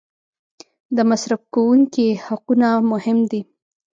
د مصرف کوونکي حقونه مهم دي.